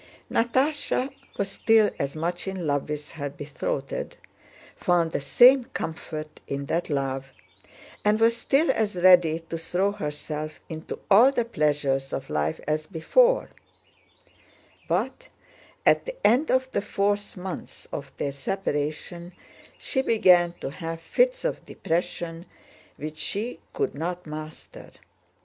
Natásha was still as much in love with her betrothed, found the same comfort in that love, and was still as ready to throw herself into all the pleasures of life as before; but at the end of the fourth month of their separation she began to have fits of depression which she could not master.